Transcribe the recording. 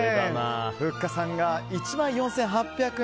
ふっかさんが１万４８００円。